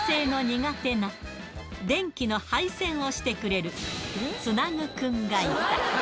女性の苦手なでんきの配線をしてくれる、ツナグくんがいた。